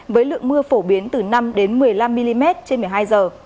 với lượng mưa phổ biến từ năm một mươi năm mm trên một mươi hai giờ